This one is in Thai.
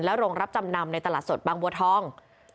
โรงรับจำนำในตลาดสดบางบัวทอง